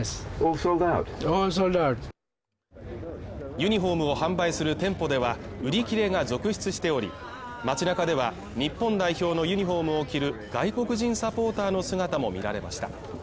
ユニフォームを販売する店舗では売り切れが続出しており街なかでは日本代表のユニフォームを着る外国人サポーターの姿も見られました